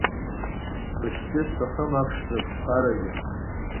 Быхьгьы сҭахым, аԥшӡа, бԥарагьы.